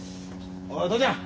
おい父ちゃん！